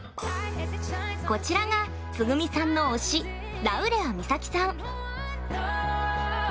こちらが、つぐみさんの推しラウレア美咲さん。